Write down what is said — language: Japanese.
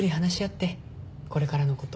これからのこと。